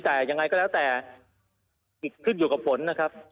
แต่ยังไงก็แล้วแต่ขึ้นอยู่กับฝนนะครับ